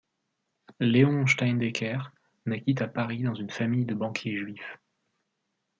Léon Steindecker naquit à Paris dans une famille de banquiers juifs.